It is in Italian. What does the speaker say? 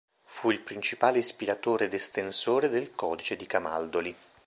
Fu il principale ispiratore ed estensore del Codice di Camaldoli.